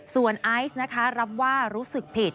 ส่วนไอซ์นะคะรับว่ารู้สึกผิด